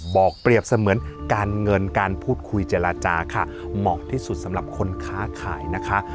เปรียบเสมือนการเงินการพูดคุยเจรจาค่ะเหมาะที่สุดสำหรับคนค้าขายนะคะ